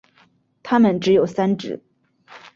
它们只有三趾。